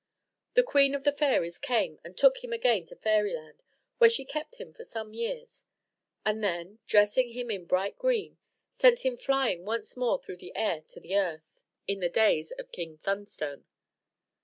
The queen of the fairies came and took him again to Fairyland, where she kept him for some years; and then, dressing him in bright green, sent him flying once more through the air to the earth, in the days of King Thunstone.